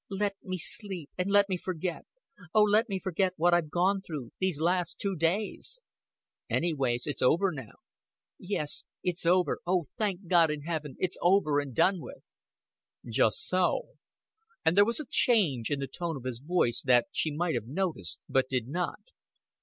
"Let me sleep and let me forget. Oh, let me forget what I've gone through these last two days." "Anyways, it's over now." "Yes, it's over. Oh, thank God in Heaven, it's over and done with." "Just so." And there was a change in the tone of his voice that she might have noticed, but did not.